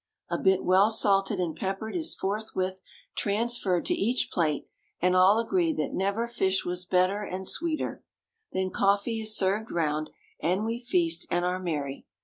A bit well salted and peppered is forthwith transferred to each plate; and all agree that never fish was better and sweeter. Then coffee is served round; and we feast, and are merry.